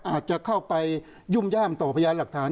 อาจจะเข้าไปยุ่มย่ามต่อพยานหลักฐาน